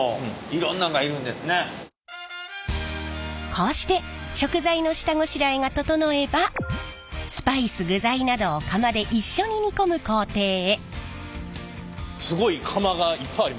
こうして食材の下ごしらえが整えばスパイス具材などを釜で一緒に煮込む工程へ。